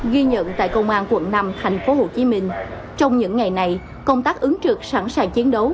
ghi nhận tại công an quận năm tp hcm trong những ngày này công tác ứng trực sẵn sàng chiến đấu